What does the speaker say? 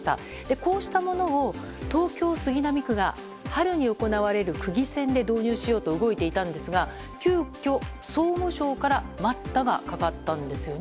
こうしたものを東京・杉並区が春に行われる区議選で導入しようと動いていたのですが急きょ、総務省から待ったがかかったんですよね